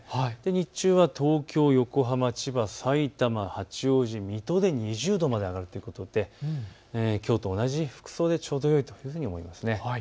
日中は東京、横浜、千葉、さいたま、八王子、水戸で２０度まで上がっていってきょうと同じ服装でちょうどよいと思います。